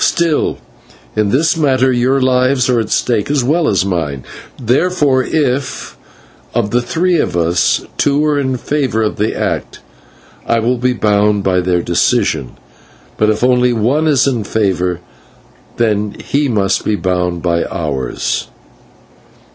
Still, in this matter your lives are at stake as well as mine; therefore, if, of the three of us, two are in favour of the act, I will be bound by their decision. But if only one is in favour, then he must be bound by ours."